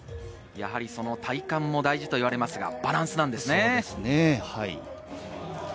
体幹も大事と言われますが、バランスですね。